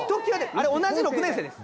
あれ同じ６年生です。